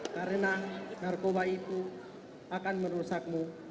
karena narkoba itu akan merusakmu